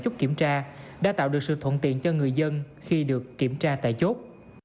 chốt kiểm tra đã tạo được sự thuận tiện cho người dân khi được kiểm tra tại chốt